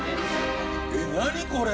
えっ何これ？